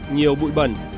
nhiều bụi bẩn